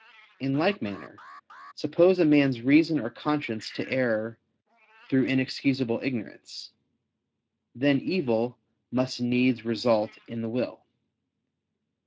In like manner, suppose a man's reason or conscience to err through inexcusable ignorance, then evil must needs result in the will.